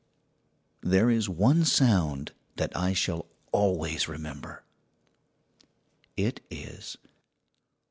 There is one sound that I shall always remember. It is "Honk!"